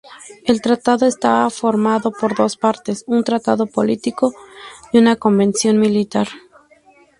El tratado estaba formado por dos partes: un tratado político y una convención militar.